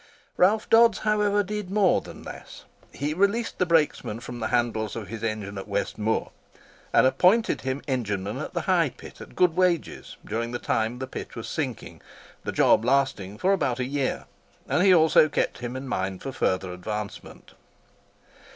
Ralph Dodds, however, did more than this. He released the brakesman from the handles of his engine at West Moot, and appointed him engineman at the High Pit, at good wages, during the time the pit was sinking,—the job lasting for about a year; and he also kept him in mind for further advancement.